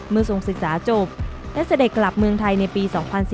ทรงศึกษาจบและเสด็จกลับเมืองไทยในปี๒๐๑๙